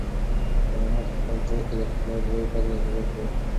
خیر محمد په خپل زړه کې د خدای د لوی فضل انتظار کاوه.